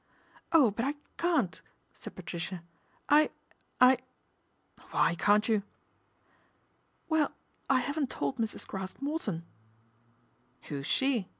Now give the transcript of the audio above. " Oh, but I can't," said Patricia ;" I I "" Why can't you ?"" Well, I haven't told Mrs. Craske Morto." " Who's she